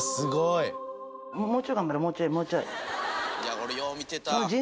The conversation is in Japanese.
「俺よう見てた」